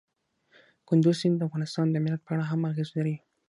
کندز سیند د افغانستان د امنیت په اړه هم اغېز لري.